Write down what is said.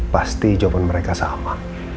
pasti jawaban mereka sama